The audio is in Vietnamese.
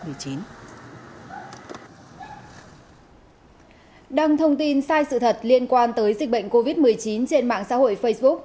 đăng thông tin sai sự thật liên quan tới dịch bệnh covid một mươi chín trên mạng xã hội facebook